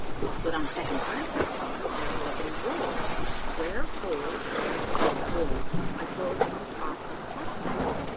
But on second glance I saw that there was a row of square holes around its bulge, like those in the top of a capstan.